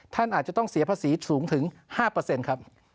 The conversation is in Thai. ท่านอาจจะต้องเสียภาษีสูงถึง๕ครับ